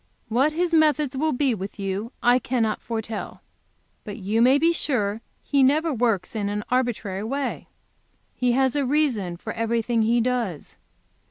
"What His methods will be with you I cannot foretell. But you may be sure that He never works in an arbitrary way. He has a reason for everything He does.